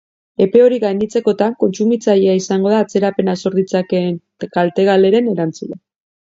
Epe hori gainditzekotan, kontsumitzailea izango da atzerapenak sor ditzakeen kalte-galeren erantzule.